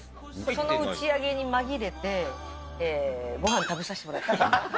その打ち上げに紛れて、ごはん食べさせてもらった。